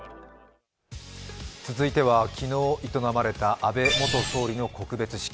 続いては昨日営まれた安倍元総理の告別式。